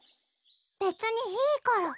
べつにいいから。